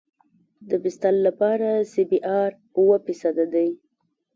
د بستر لپاره سی بي ار اوه فیصده دی